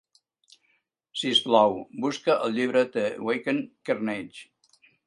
Sisplau, busca el llibre The Wacken Carnage.